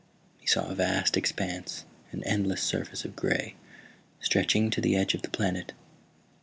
He saw a vast expanse, an endless surface of gray, stretching to the edge of the planet.